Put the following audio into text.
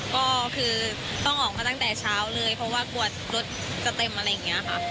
ก็คือต้องออกมาตั้งแต่เช้าเลยเพราะว่ากลัวรถจะเต็มอะไรอย่างนี้ค่ะ